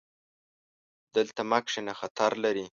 دلته مه کښېنه، خطر لري